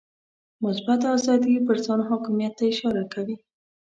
مثبته آزادي پر ځان حاکمیت ته اشاره کوي.